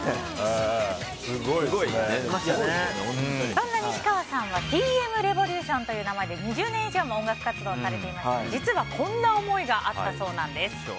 そんな西川さんはＴ．Ｍ．Ｒｅｖｏｌｕｔｉｏｎという名前で２０年以上も音楽活動されていまして実は、こんな思いがあったそうなんです。